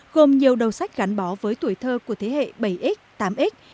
gồm nhiều đầu sách gắn bó với tuổi thơ của thế hệ bảy x tám x